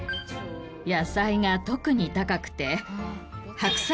野菜が特に高くて。